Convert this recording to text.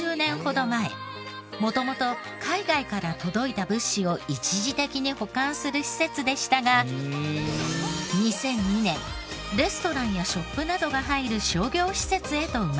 元々海外から届いた物資を一時的に保管する施設でしたが２００２年レストランやショップなどが入る商業施設へと生まれ変わりました。